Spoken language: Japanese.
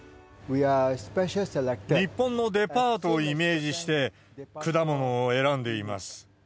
日本のデパートをイメージして、果物を選んでいます。